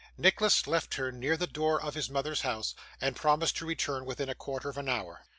Nicholas left her near the door of his mother's house, and promised to return within a quarter of an hour.